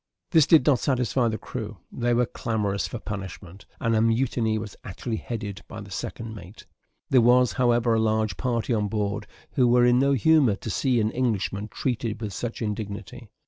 This did not satisfy the crew; they were clamorous for punishment, and a mutiny was actually headed by the second mate. There was, however, a large party on board who were in no humour to see an Englishman treated with such indignity.